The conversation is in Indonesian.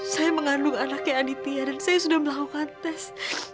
saya mengandung anaknya aditya dan saya sudah melakukan tes